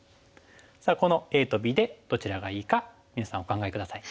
さあこのＡとＢでどちらがいいか皆さんお考え下さい。